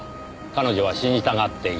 彼女は死にたがっていた。